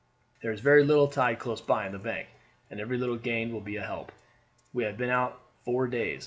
There is very little tide close in by the bank, and every little gain will be a help. We have been out four days.